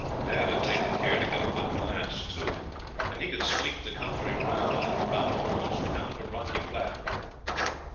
Dad had taken care to get a good glass, too, and he could sweep the country round about almost down to Rocky Flat.